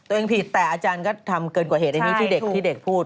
ตัวเองผิดแต่อาจารย์ก็ทำเกินกว่าเหตุอันนี้ที่เด็กพูด